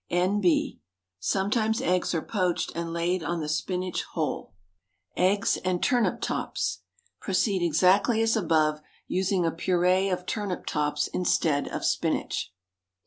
N.B. Sometimes eggs are poached and laid on the spinach whole. EGGS AND TURNIP TOPS. Proceed exactly as above, using a puree of turnip tops instead of spinach.